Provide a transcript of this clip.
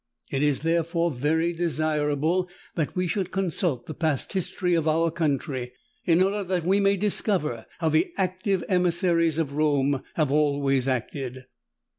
It is, therefore, very desirable that we should consult the past history of our country, in order that we may discover how the active emissaries of Rome have always acted.